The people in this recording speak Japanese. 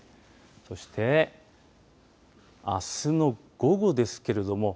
そしてあすの午後ですけれども。